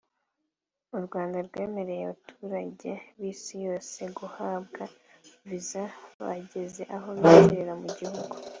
U Rwanda rwemereye abaturage b’isi yose guhabwa viza bageze aho binjirira mu gihugu